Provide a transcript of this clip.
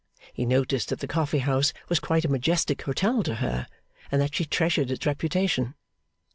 He noticed that the coffee house was quite a majestic hotel to her, and that she treasured its reputation.